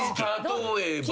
例えば？